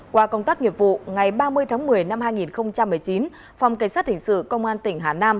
qua công tác nghiệp vụ ngày ba mươi tháng một mươi năm hai nghìn một mươi chín phòng cảnh sát hình sự công an tỉnh hà nam